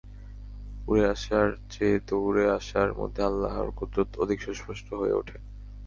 উড়ে আসার চেয়ে দৌড়ে আসার মধ্যে আল্লাহর কুদরত অধিক সুস্পষ্ট হয়ে ওঠে।